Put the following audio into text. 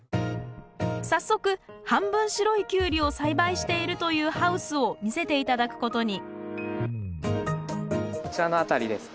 早速半分白いキュウリを栽培しているというハウスを見せて頂くことにこちらの辺りです。